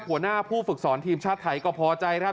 หัวหน้าผู้ฝึกสอนทีมชาติไทยก็พอใจครับ